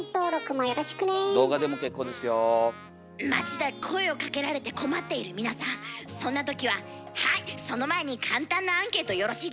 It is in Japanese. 街で声をかけられて困っている皆さんそんなときは「はいその前に簡単なアンケートよろしいですか？